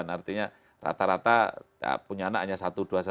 artinya rata rata punya anaknya satu dua satu dua